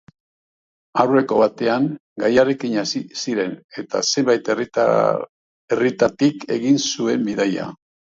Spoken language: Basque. Aurreko batetan gaiarekin hasi ziren, eta zenbait herritatik egin zuten bidaia.